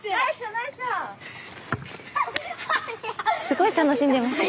すごい楽しんでます。